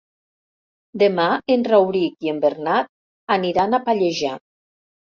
Demà en Rauric i en Bernat aniran a Pallejà.